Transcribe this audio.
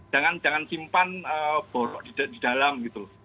jangan simpan borok di dalam gitu loh